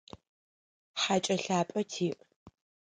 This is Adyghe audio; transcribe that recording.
Хакӏэ лъапӏэ тиӏ.